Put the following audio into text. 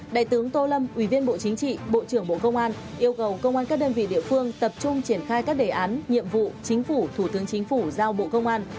đại tướng tô lâm ủy viên bộ chính trị bộ trưởng bộ công an yêu cầu công an các đơn vị địa phương tập trung triển khai các đề án nhiệm vụ chính phủ thủ tướng chính phủ giao bộ công an